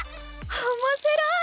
おもしろい！